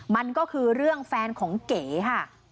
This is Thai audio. มันก็คือเรื่องแฟนของเก๋ค่ะ